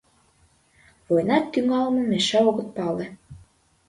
Война тӱҥалмым эше огыт пале.